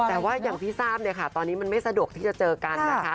แต่ว่าอย่างที่ทราบเนี่ยค่ะตอนนี้มันไม่สะดวกที่จะเจอกันนะคะ